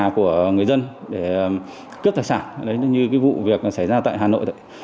của người dân để cướp thạch sản như vụ việc xảy ra tại hà nội